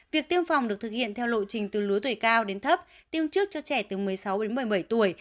việc tiêm phòng được thực hiện theo lộ trình từ lứa tuổi cao đến thấp tiêm trước cho trẻ từ một mươi sáu đến một mươi bảy tuổi